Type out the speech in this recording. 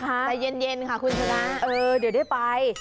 ไปเย็นค่ะคุณธานาคอิเออเดี๋ยวได้ไป